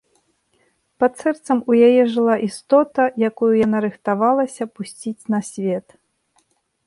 Пад сэрцам у яе жыла істота, якую яна рыхтавалася пусціць на свет.